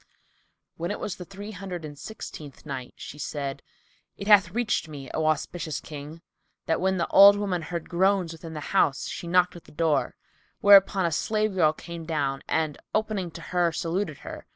When it was the Three Hundred and Sixteenth Night, She said, It hath reached me, O auspicious King, that when the old woman heard groans within the house, she knocked at the door, whereupon a slave girl came down and opening to her, saluted her.